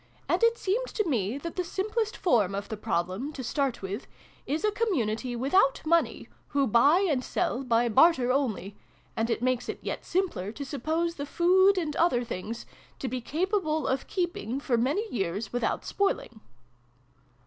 And it seemed to me that the simplest form of the problem, to start with, is a com munity without money, who buy and sell by barter only ; and it makes it yet simpler to suppose the food and other things to be capable of keeping for many years without spoiling."